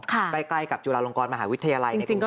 ใกล้กับจุฬาลงกรมหาวิทยาลัยในกรุงเทพฯ